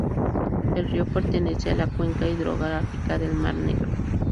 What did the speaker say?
El río pertenece a la cuenca hidrográfica del mar Negro.